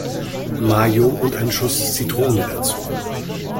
Mayo und ein Schuss Zitrone dazu.